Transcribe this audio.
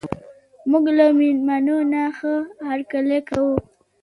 موږ له میلمانه ښه هرکلی کوو.